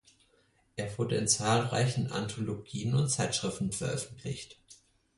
Er wurde in zahlreichen Anthologien und Zeitschriften veröffentlicht.